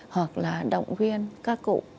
hoặc là động viên các cụ